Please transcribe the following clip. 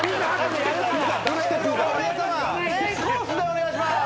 お願いしまーす。